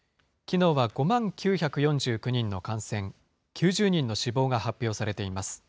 きのうは５万９４９人の感染、９０人の死亡が発表されています。